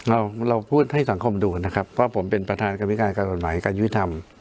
เราเราพูดให้สังคมดูนะครับว่าผมเป็นประธานกรรมวิการการกฎหมายการยุทธรรม